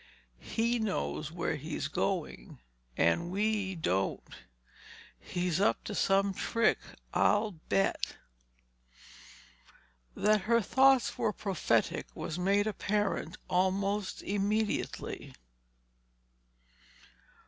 "He knows where he's going—and we don't. He's up to some trick, I'll bet." That her thoughts were prophetic was made apparent almost immediately.